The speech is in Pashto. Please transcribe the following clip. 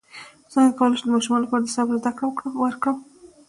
څنګه کولی شم د ماشومانو لپاره د صبر زدکړه ورکړم